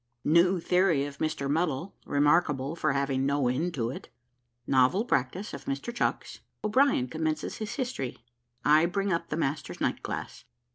NEW THEORY OF MR. MUDDLE REMARKABLE FOR HAVING NO END TO IT NOVEL PRACTICE OF MR. CHUCKS O'BRIEN COMMENCES HIS HISTORY I BRING UP THE MASTER'S NIGHT GLASS.